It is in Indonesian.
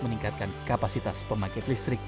meningkatkan kapasitas pemakai listrik